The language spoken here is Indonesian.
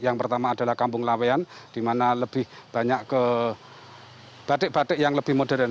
yang pertama adalah kampung laweyan di mana lebih banyak ke batik batik yang lebih modern